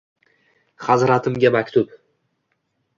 Hazratimga maktub